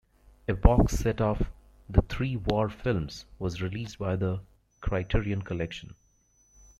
A box set of the Three War Films was released by The Criterion Collection.